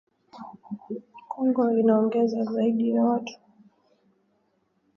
Kongo inaongeza zaidi ya watu milioni tisini katika Jumuiya ya Afrika Mashariki yenye watu milioni mia moja sabini na saba